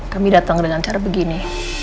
kami datang dengan cara begini